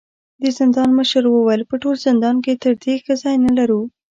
د زندان مشر وويل: په ټول زندان کې تر دې ښه ځای نه لرو.